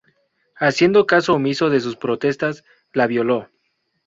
Haciendo caso omiso de sus protestas, la violó.